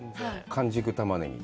完熟たまねぎ。